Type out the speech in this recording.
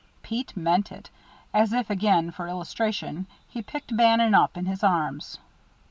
Pete meant it. As if, again, for illustration, he picked Bannon up in his arms.